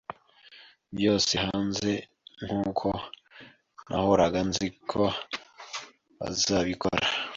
Byose hanze nkuko nahoraga nzi ko bazabikora